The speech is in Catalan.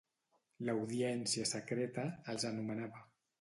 L'audiència secreta, els anomenava.